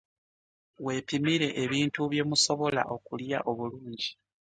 Wepimire ebintu byemusobola okulya obulungi.